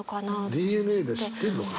ＤＮＡで知ってんのかな？